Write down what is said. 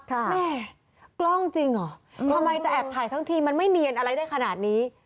แม่กล้องจริงเหรอทำไมจะแอบถ่ายทั้งทีมันไม่เนียนอะไรได้ขนาดนี้